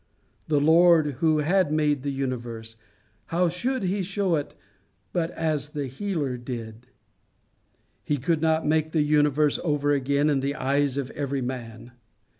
The Lord who had made the Universe how should he show it but as the Healer did? He could not make the universe over again in the eyes of every man.